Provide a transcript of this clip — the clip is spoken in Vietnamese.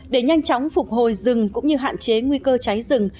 để nhanh chóng phục hồi rừng cũng như hạn chế nguy cơ cháy rừng